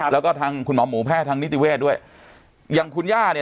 แล้วก็ทางคุณหมอหมูแพทย์ทางนิติเวศด้วยอย่างคุณย่าเนี่ย